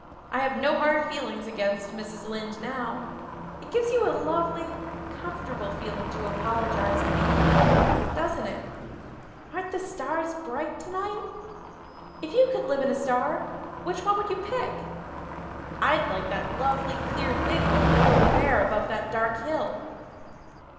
I have no hard feelings against Mrs. Lynde now. It gives you a lovely, comfortable feeling to apologize and be forgiven, doesn't it? Aren't the stars bright tonight? If you could live in a star, which one would you pick? I'd like that lovely clear big one away over there above that dark hill."